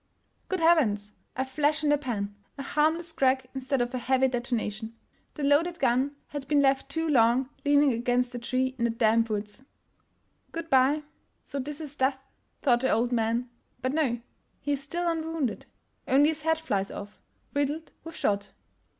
Good heavens! a flash in the pan! a harmless crack instead of a heavy detonation! The loaded gun had been left too long leaning against a tree in the damp woods. " Good by — so this is death!" thought the old man. But no — he is still unwounded; only his hat flies off, rid dled with shot.